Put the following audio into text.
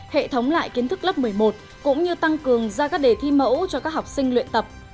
hệ thống lại kiến thức lớp một mươi một cũng như tăng cường ra các đề thi mẫu cho các học sinh luyện tập